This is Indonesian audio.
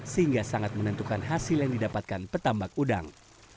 sehingga sangat menentukan hasil yang didapatkan petambak udang